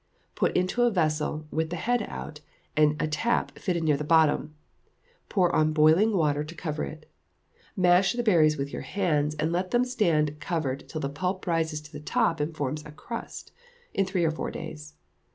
Put into a vessel, with the head out, and a tap fitted near the bottom; pour on boiling water to cover it. Mash the berries with your hands, and let them stand covered till the pulp rises to the top and forms a crust, in three or four days.